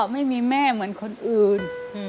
ไม่มีแม่เหมือนคนอื่น